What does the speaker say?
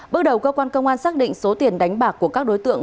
bước đầu cơ quan công an xác định số tiền đánh bạc của các đối tượng